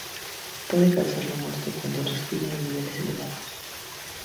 Puede causar la muerte cuando se respira en niveles elevados.